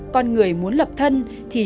con người muốn lập thân thì